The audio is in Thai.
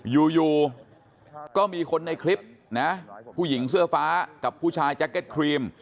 อยู่อยู่ก็มีคนในคลิปนะผู้หญิงเสื้อฟ้ากับผู้ชายแจ็คเก็ตครีม